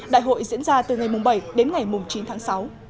đại hội diễn ra từ ngày bảy đến ngày chín tháng sáu